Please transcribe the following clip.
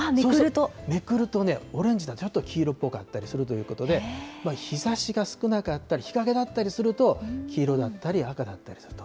めくるとオレンジ色だったりちょっと黄色っぽかったりするということで、日ざしが少なかったり、日陰だったりすると黄色だったり赤だったりと。